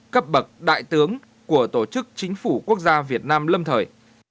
cấp bậc đại tướng của tổ chức chính phủ quốc gia việt nam lâm thời